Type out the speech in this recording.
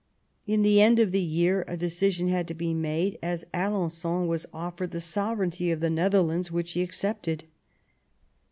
In the end of the year a decision had to be made, as Alen9on was offered the sovereignty of the Netherlands, which he accepted.